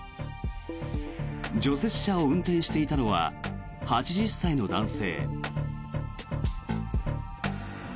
除雪車を運転していたのは８０歳の男性。